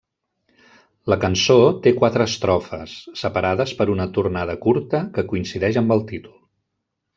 La cançó té quatre estrofes, separades per una tornada curta que coincideix amb el títol.